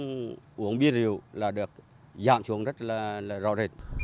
ăn uống bia rượu là được giảm xuống rất là rõ rệt